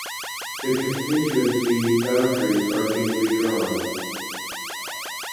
The constituency boundaries are being redrawn.